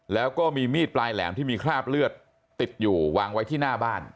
แล้วก็มีมีดปลายแหลมที่มีคราบเลือดติดอยู่วางไว้ที่หน้าบ้าน